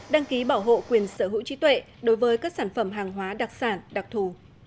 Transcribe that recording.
đăng ký bảo hộ quyền sở hữu trí tuệ đối với các sản phẩm hàng hóa đặc sản đặc thù